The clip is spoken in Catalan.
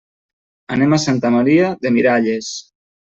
Anem a Santa Maria de Miralles.